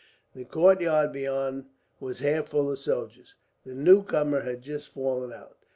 The courtyard beyond was half full of soldiers. The newcomers had just fallen out.